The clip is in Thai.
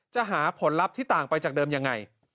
หาผลลัพธ์ที่ต่างไปจากเดิมยังไง